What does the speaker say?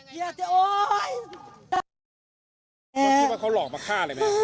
มันคิดว่าเขาหลอกมาฆ่าเลยไหม